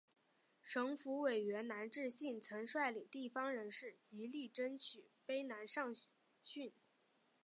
省府委员南志信曾率领地方人士极力争取卑南上圳。